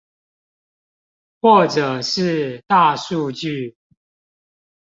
或者是大數據